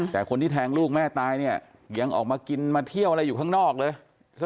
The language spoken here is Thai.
แต่คนที่แทงลูกแม่ตายเนี่ยยังออกมากินมาเที่ยวอะไรอยู่ข้างนอกเลย